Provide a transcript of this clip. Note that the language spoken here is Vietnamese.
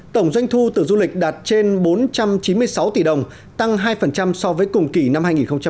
tổng doanh thu từ du lịch đạt trên bốn trăm chín mươi sáu tỷ đồng tăng hai so với cùng kỳ năm hai nghìn một mươi chín